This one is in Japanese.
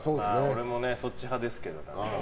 俺もそっち派ですけどね。